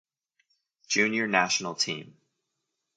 Junior National Team.